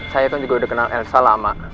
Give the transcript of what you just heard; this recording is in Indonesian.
saya kan juga udah kenal elsa lama